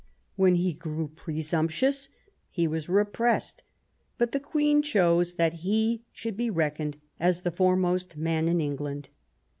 When he grew presumptuous, he was repressed ; but the Queen chose that he should be reckoned as the foremost man in England.